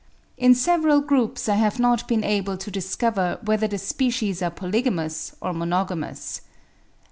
In several groups I have not been able to discover whether the species are polygamous or monogamous.